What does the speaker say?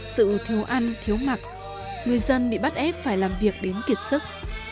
sự thiếu ăn thiếu mặc người dân bị bắt ép phải làm việc đến kiệt sức